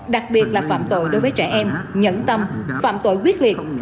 đặc biệt là phạm tội đối với trẻ em nhẫn tâm phạm tội quyết liệt